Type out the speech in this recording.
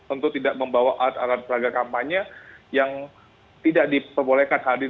untuk tidak membawa alat alat peraga kampanye yang tidak diperbolehkan hadir